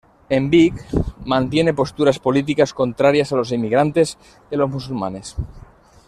En Vic mantiene posturas políticas contrarias a los inmigrantes y a los musulmanes.